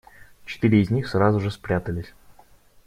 Четыре из них сразу же спрятались.